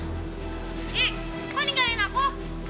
eh kau ninggalin aku